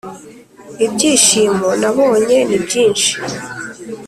ibyishimo nabonye nibyinshi